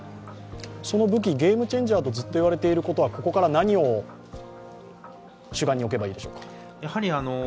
その武器、ゲームチェンジャーとずっと言われていることはここから何を主眼に置けばいいでしょうか。